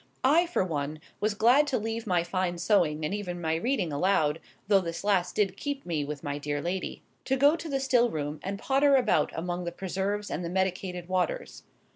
I, for one, was glad to leave my fine sewing, and even my reading aloud (though this last did keep me with my dear lady) to go to the still room and potter about among the preserves and the medicated waters.